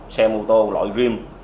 xe mô tô lội rim